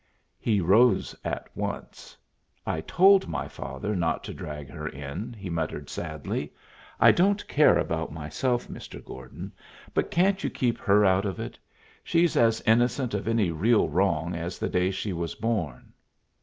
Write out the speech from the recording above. He rose at once. "I told my father not to drag her in," he muttered, sadly. "I don't care about myself, Mr. Gordon, but can't you keep her out of it? She's as innocent of any real wrong as the day she was born."